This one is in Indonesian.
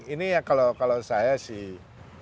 ini kalau saya sih